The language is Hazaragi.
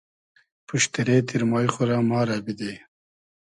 پوشتیرې تیرمای خو رۂ ما رۂ بیدی